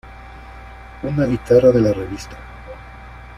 Una guitarra de la Revista.